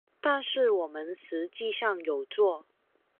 但是我們實際上有做